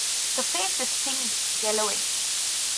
The face is tinged yellowish.